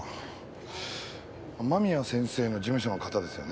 間宮先生の事務所の方ですよね。